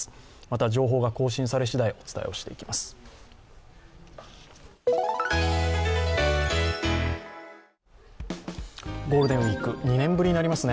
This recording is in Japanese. また情報が更新されしだい、お伝えをしていきます。